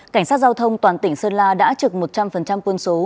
cảnh sát giao thông toàn tỉnh sơn la đã trực một trăm linh quân số